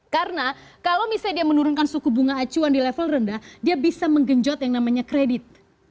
karena kalau misalnya dia menurunkan suku bunga acuan di level rendah dia bisa menggenjot yang namanya kredit